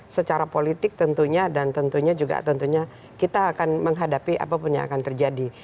secara politik tentunya dan tentunya juga tentunya kita akan menghadapi apapun yang akan terjadi